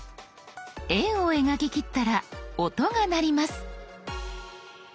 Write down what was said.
円を描ききったら音が鳴ります。